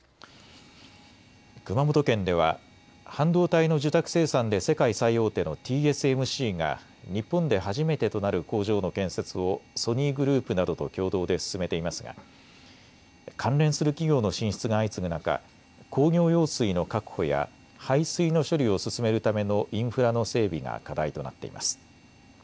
熊本県では半導体の受託生産で世界最大手のＴＳＭＣが日本で初めてとなる工場の建設をソニーグループなどと共同で進めていますが関連する企業の進出が相次ぐ中、工業用水の確保や排水の処理を進めるためのインフラの整備が課題となっています。